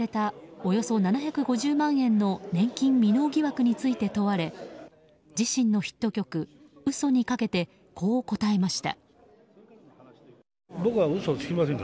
およそ７５０万円の年金未納疑惑について問われ自身のヒット曲「うそ」にかけてこう答えました。